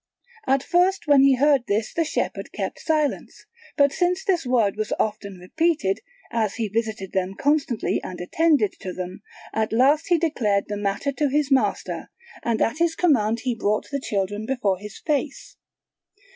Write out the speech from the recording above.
At first when he heard this the shepherd kept silence; but since this word was often repeated, as he visited them constantly and attended to them, at last he declared the matter to his master, and at his command he brought the children before his face.